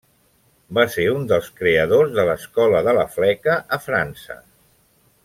Va ser un dels creadors de l'Escola de la fleca a França.